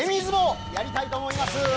やりたいと思います。